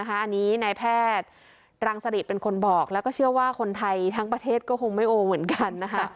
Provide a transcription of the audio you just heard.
อันนี้นายแพทย์รังสริตเป็นคนบอกแล้วก็เชื่อว่าคนไทยทั้งประเทศก็คงไม่โอเหมือนกันนะคะ